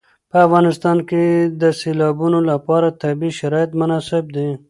په افغانستان کې د سیلابونه لپاره طبیعي شرایط مناسب دي.